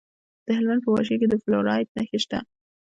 د هلمند په واشیر کې د فلورایټ نښې شته.